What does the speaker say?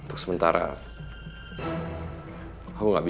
aku pasti bukan menang